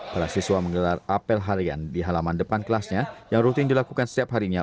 para siswa menggelar apel harian di halaman depan kelasnya yang rutin dilakukan setiap harinya